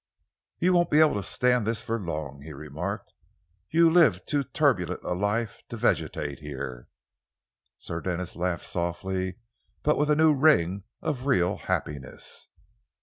"You won't be able to stand this for long," he remarked. "You've lived too turbulent a life to vegetate here." Sir Denis laughed softly but with a new ring of real happiness.